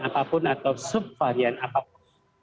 apapun atau sub varian apapun